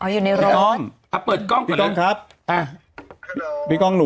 อยู่ในรถ